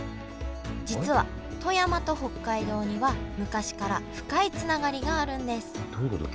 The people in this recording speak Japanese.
実は富山と北海道には昔から深いつながりがあるんですどういうこと？